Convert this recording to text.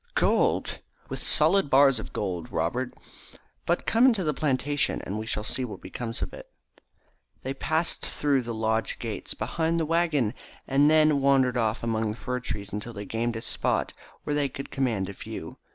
"Gold!" "With solid bars of gold, Robert. But come into the plantation and we shall see what becomes of it." They passed through the lodge gates, behind the waggon, and then wandered off among the fir trees until they gained a spot where they could command a view.